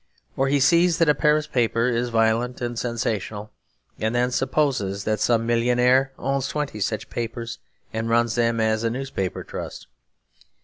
Or he sees that a Paris paper is violent and sensational; and then supposes that some millionaire owns twenty such papers and runs them as a newspaper trust.